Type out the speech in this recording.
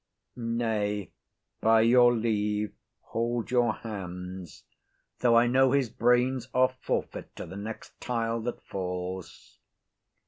Nay, by your leave, hold your hands; though I know his brains are forfeit to the next tile that falls.